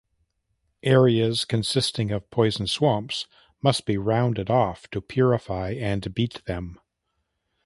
Areas consisting of poison swamps must be rounded off to "purify" and beat them.